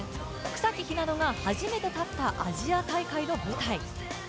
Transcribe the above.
草木ひなのが初めて立った、アジア大会の舞台。